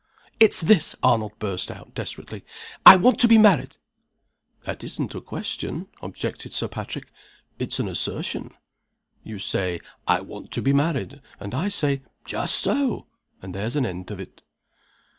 "It's this!" Arnold burst out, desperately. "I want to be married!" "That isn't a question," objected Sir Patrick. "It's an assertion. You say, I want to be married. And I say, Just so! And there's an end of it."